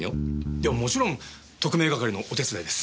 いやもちろん特命係のお手伝いです。